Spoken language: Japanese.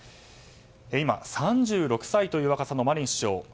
今３６歳という若さのマリン首相。